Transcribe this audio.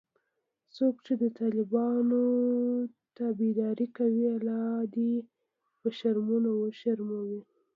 څوک چې د طالبانو طرفداري کوي الله دي په شرمونو وشرموي